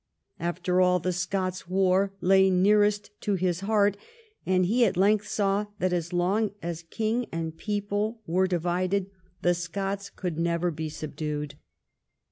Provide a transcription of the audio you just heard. After all the Scots war lay nearest to his heart, and he at length saw that, as long as king and people were divided, the Scots could never bo subdued.